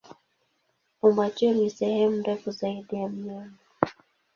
Fumbatio ni sehemu ndefu zaidi ya mnyama.